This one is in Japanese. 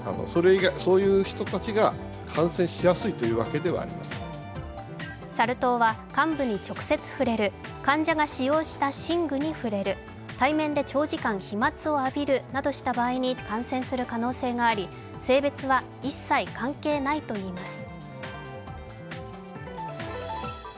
サル痘について専門家はサル痘は患部に直接触れる、患者が使用した寝具に触れる、対面で長時間飛まつを浴びるなどした場合に感染する可能性があり性別は一切関係ないといいます。